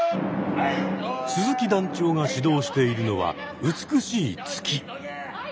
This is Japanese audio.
鈴木団長が指導しているのは美しい突き。